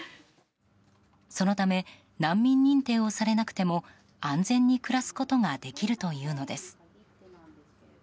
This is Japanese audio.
そのため難民認定をされなくても安全に暮らすことができるというのです。